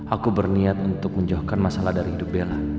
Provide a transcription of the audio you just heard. aku berniat untuk menjauhkan masalah dari hidup bella